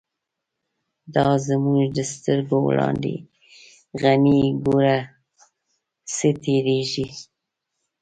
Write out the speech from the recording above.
دا زمونږ د سترگو وړاندی، «غنی » گوره څه تیریږی